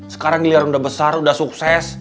sekarang giliran sudah besar sudah sukses